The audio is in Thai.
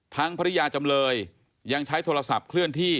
ภรรยาจำเลยยังใช้โทรศัพท์เคลื่อนที่